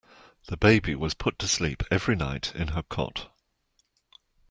The baby was put to sleep every night in her cot